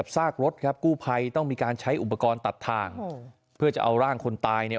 ซากรถครับกู้ภัยต้องมีการใช้อุปกรณ์ตัดทางเพื่อจะเอาร่างคนตายเนี่ย